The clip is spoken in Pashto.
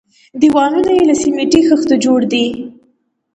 دېوالونه يې له سميټي خښتو جوړ دي.